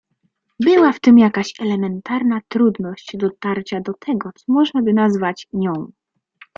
Była w tym jakaś elementarna trudność dotarcia do tego, co można by nazwać „nią”.